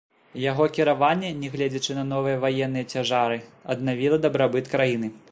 Яго кіраванне, нягледзячы на новыя ваенныя цяжары, аднавіла дабрабыт краіны.